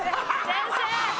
先生！